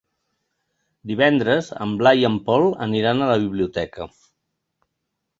Divendres en Blai i en Pol aniran a la biblioteca.